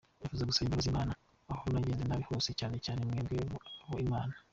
nifuza gusaba imbabazi Imana aho nagenze nabi hose cyane cyane mwebwe abo Imana.